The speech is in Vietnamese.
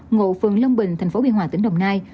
ngộ phường lâm bình thành phố biên hòa tỉnh đồng nai